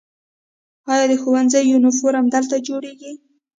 آیا د ښوونځي یونیفورم دلته جوړیږي؟